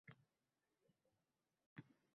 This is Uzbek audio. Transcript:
Xotini esa ularni qaynatib bozorga sotib kelgan.